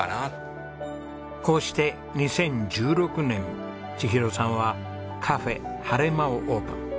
こうして２０１６年千尋さんはカフェはれまをオープン。